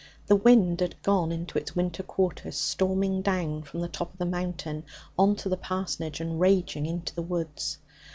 The wind had gone into its winter quarters, storming down from the top of the Mountain on to the parsonage and raging into the woods.